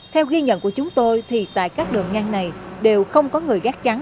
theo ghi nhận của chúng tôi thì tại các đường ngang này đều không có người gác trắng